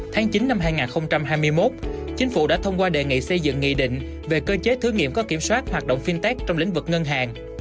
tháng chín năm hai nghìn hai mươi một chính phủ đã thông qua đề nghị xây dựng nghị định về cơ chế thử nghiệm có kiểm soát hoạt động fintech trong lĩnh vực ngân hàng